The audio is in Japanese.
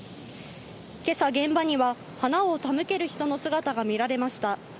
けさ現場には、花を手向ける人の姿が見られました。